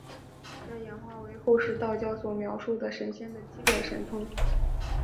这演化为后世道教所描述神仙的基本神通。